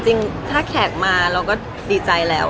จริงถ้าแขกมาเราก็ดีใจแล้ว